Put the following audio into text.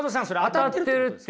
当たってるっていうか